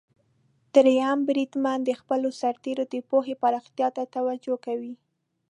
دریم بریدمن د خپلو سرتیرو د پوهې پراختیا ته توجه کوي.